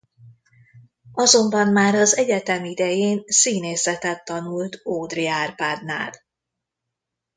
Azonban már az egyetem idején színészetet tanult Ódry Árpádnál.